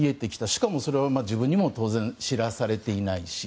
しかもそれは自分にも知らされていないし。